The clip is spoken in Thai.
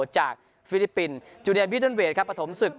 จากฟิลิปปินส์จูเนียบิทัลเวทครับประถมศึก